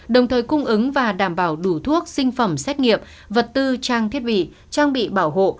đồng thời cung ứng và đảm bảo đủ thuốc sinh phẩm xét nghiệm vật tư trang thiết bị trang bị bảo hộ